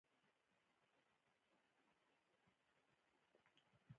چې نور خلک له موټر سره په انتظار کې شیبې شمیرلې.